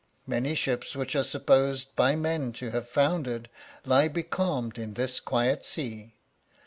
Many ships which are supposed by men to have foundered lie becalmed in this quiet sea.